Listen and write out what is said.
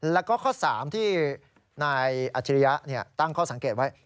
แล้วก็ข้อ๓ที่นายอัจฉริยะตั้งข้อสังเกตไว้